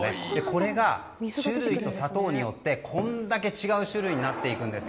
これが種類と砂糖によってこれだけ違う種類になっていくんです。